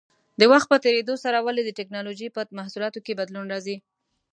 د وخت په تېرېدو سره ولې د ټېکنالوجۍ په محصولاتو کې بدلون راځي؟